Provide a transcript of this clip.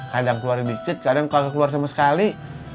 kadang keluar dikit kadang kalau keluar sama sekali